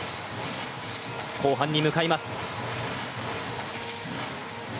後半に向かいます。